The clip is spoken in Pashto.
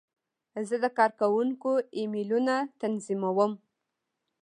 زه د کارکوونکو ایمیلونه تنظیموم.